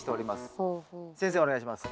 先生お願いします。